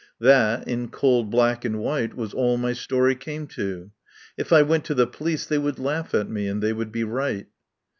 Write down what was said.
That, in cold black and white, was all my story came to. If I went to the police they would laugh at me, and they would be right.